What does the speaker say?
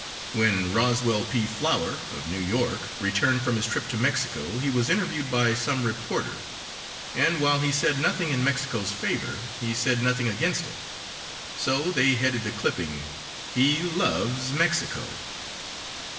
When Roswell P. Flower, of New York, returned from his trip to Mexico he was interviewed by some reporter, and while he said nothing in Mexico's favor he said nothing against it; so they headed the clipping: "He Loves Mexico."